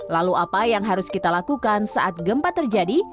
lalu apa yang harus kita lakukan saat gempa terjadi